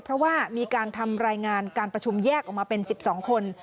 เพราะว่ามีการทำรายงานการประชุมแยกออกมาเป็น๑๒คน